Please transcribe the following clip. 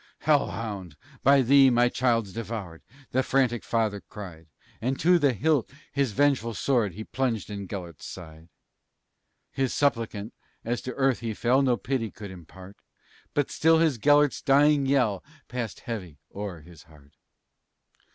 "Hell hound! By thee my child's devoured!" The frantic father cried; And to the hilt his vengeful sword He plunged in Gelert's side. His suppliant, as to earth he fell, No pity could impart, But still his Gelert's dying yell Passed heavy o'er his heart.